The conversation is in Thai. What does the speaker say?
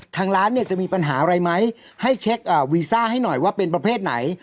ทางร้านเนี่ยจะมีปัญหาอะไรไหมให้เช็ควีซ่าให้หน่อยว่าเป็นประเภทไหน